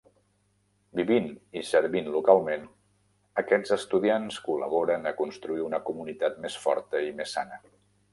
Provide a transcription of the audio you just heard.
Vivint i servint localment, aquests estudiants col·laboren a construir una comunitat més forta i més sana.